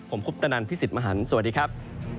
ผมคุปตนันพี่สิทธิ์มหันฯสวัสดีครับ